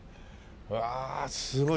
うわすごい。